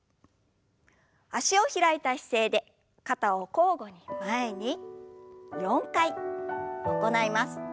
脚を開いた姿勢で肩を交互に前に４回行います。